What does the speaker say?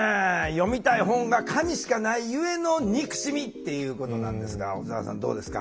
「読みたい本が紙しかないゆえの憎しみ」っていうことなんですが小沢さんどうですか？